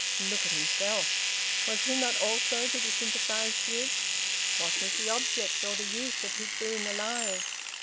Look at himself! Was he not also to be sympathised with? What was the object or the use of his being alive?